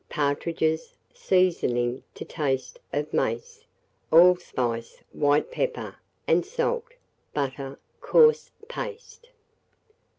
Partridges; seasoning to taste of mace, allspice white pepper, and salt; butter, coarse paste.